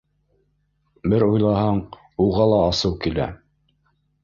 Бер уйлаһаң, уға ла асыу килә.